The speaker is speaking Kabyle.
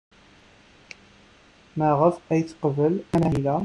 Maɣef ay teqbel amahil-a?